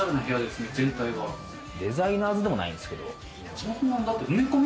デザイナーズでもないんですけど。